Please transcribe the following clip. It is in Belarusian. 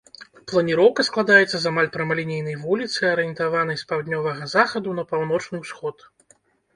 Планіроўка складаецца з амаль прамалінейнай вуліцы, арыентаванай з паўднёвага захаду на паўночны ўсход.